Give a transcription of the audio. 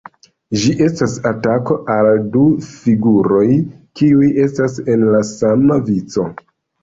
Ĝi estas atako al du figuroj, kiuj estas en la sama vico.